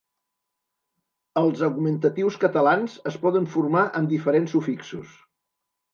Els augmentatius catalans es poden formar amb diferents sufixos.